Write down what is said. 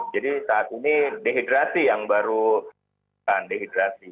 jadi saat ini dehidrasi yang baru dihidrasi